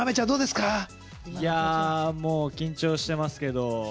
もう緊張してますけど。